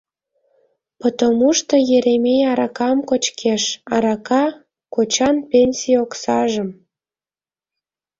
Потомушто Еремей аракам кочкеш, арака — кочан пенсий оксажым.